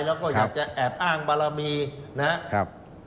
แล้วก็อยากจะแอบอ้างบารมีนะครับ